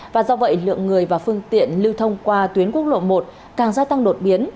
và do vậy lượng người và phương tiện lưu thông qua tuyến quốc lộ một càng gia tăng đột biến